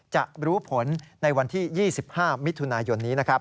จะรู้ผลในวันที่๒๕มิถุนายนนี้นะครับ